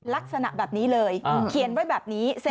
ลักษณะแบบนี้เลยเขียนไว้แบบนี้